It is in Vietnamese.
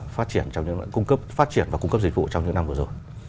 phát triển và cung cấp dịch vụ trong những năm vừa rồi